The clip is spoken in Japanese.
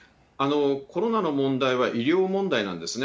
コロナの問題は医療問題なんですね。